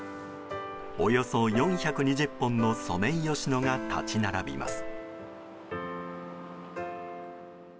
およそ４２０本のソメイヨシノが立ち並びます。